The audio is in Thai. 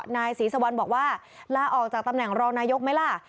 นายศรีสุวรรณบอกว่าลาออกจากตำแหน่งรองนายกไหมล่ะ